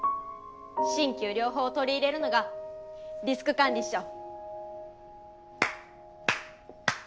新旧両方取り入れるのがリスク管理っしょ。